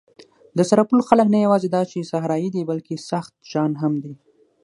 د سرپل خلک نه یواځې دا چې صحرايي دي، بلکې سخت جان هم دي.